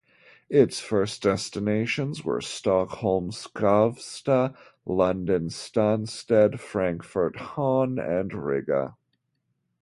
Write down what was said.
Its first destinations were Stockholm-Skavsta, London-Stansted, Frankfurt-Hahn and Riga.